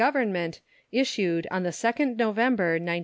Government, issued on the 2nd November, 1917.